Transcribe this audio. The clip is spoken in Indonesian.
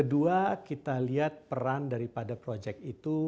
kedua kita lihat peran daripada proyek itu